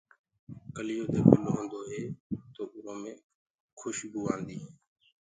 ڪليوٚ دي گُل هوندو هي تو اُرو مي کُسبوُ آندي هي۔